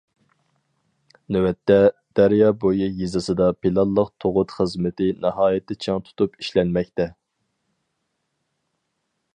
نۆۋەتتە، دەريا بويى يېزىسىدا پىلانلىق تۇغۇت خىزمىتى ناھايىتى چىڭ تۇتۇپ ئىشلەنمەكتە.